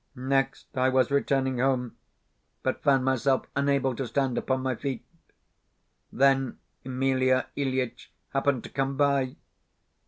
Next, I was returning home, but found myself unable to stand upon my feet. Then Emelia Ilyitch happened to come by.